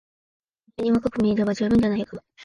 遠目に若く見えれば充分じゃないか。